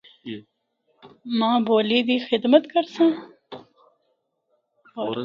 ماں بولی دی خدمت کرساں۔